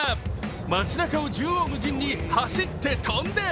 町中を縦横無尽に走って、跳んで。